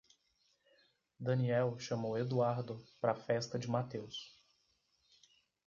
Daniel chamou Eduardo pra festa de Matheus.